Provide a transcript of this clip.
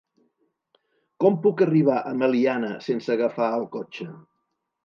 Com puc arribar a Meliana sense agafar el cotxe?